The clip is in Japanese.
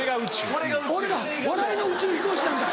俺が笑いの宇宙飛行士なんだ。